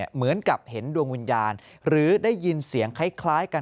เหมือนกับเห็นดวงวิญญาณหรือได้ยินเสียงคล้ายกัน